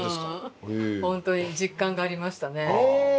本当に実感がありましたね。